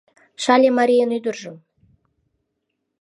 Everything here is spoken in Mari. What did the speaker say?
Шале марийын ӱдыржым